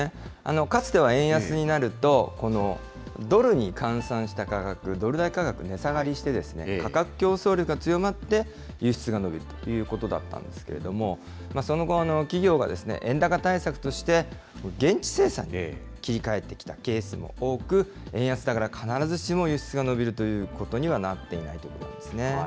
かつては円安になると、このドルに換算した価格、ドル建て価格、値下がりしてですね、価格競争力が強まって、輸出が伸びるということだったんですけれども、その後、企業が円高対策として、現地生産に切り替えてきたケースも多く、円安だから、必ずしも輸出が伸びるということにはなっていないということなんですね。